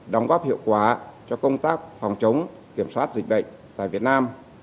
đóng góp hiệu quả cho công tác phòng chống kiểm soát dịch bệnh tại việt nam